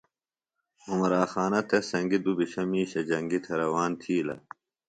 عمراخانہ تس سنگیۡ دُبھشہ مِیشہ جنگی تھےۡ روان تِھیلہ